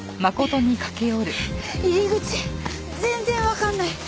入り口全然わかんない。